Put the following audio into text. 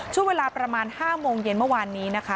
ช่วงเวลาประมาณ๕โมงเย็นเมื่อวานนี้นะคะ